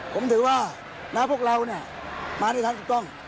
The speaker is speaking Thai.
ผมถือว่านะครับพวกเราเนี่ยมาในทางถูกต้อง